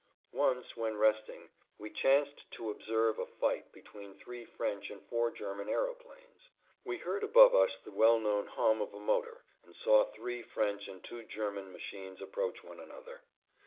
Once, when resting, we chanced to observe a fight between three French and four German aeroplanes. We heard above us the well known hum of a motor and saw three French and two German machines approach one another.